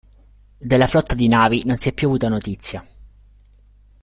Della flotta di navi non si è più avuta notizia.